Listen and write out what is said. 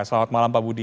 selamat malam pak budi